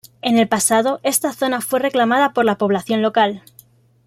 En el pasado, esta zona fue reclamada por la población local.